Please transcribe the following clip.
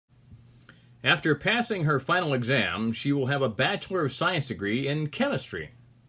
After passing her final exam she will have a bachelor of science degree in chemistry.